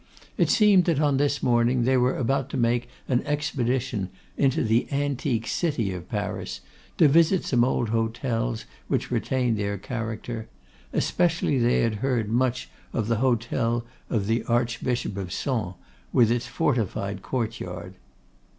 It seemed that on this morning they were about to make an expedition into the antique city of Paris, to visit some old hotels which retained their character; especially they had heard much of the hotel of the Archbishop of Sens, with its fortified courtyard.